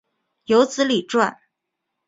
有子李撰。